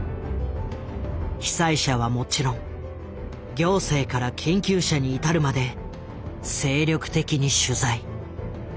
被災者はもちろん行政から研究者に至るまで精力的に取材。